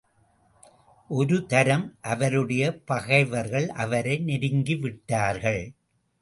ஒரு தரம், அவருடைய பகைவர்கள் அவரை நெருங்கி விட்டார்கள்.